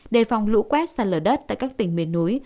đề phòng lũ quét sạt lở đất tại các tỉnh miền núi